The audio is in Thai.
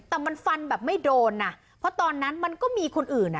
แต่มันฟันแบบไม่โดนอ่ะเพราะตอนนั้นมันก็มีคนอื่นอ่ะ